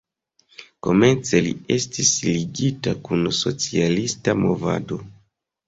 Komence li estis ligita kun socialista movado.